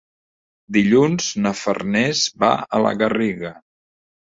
Dilluns na Farners va a la Garriga.